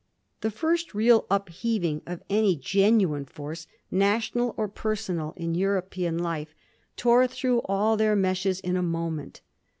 The first real upheaving of any genuine force, national or personal, in European life tore through all their meshes in a moment.